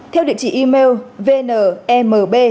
theo địa chỉ email vnmb